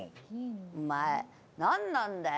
お前なんなんだよ。